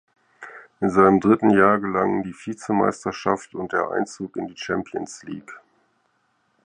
In seinem dritten Jahr gelangen die Vizemeisterschaft und der Einzug in die Champions League.